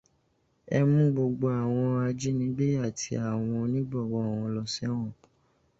Ẹ mú gbogbo àwọn ajínigbé àti àwọn onígbọ̀wọ́ wọn lọ sẹ́wọ̀n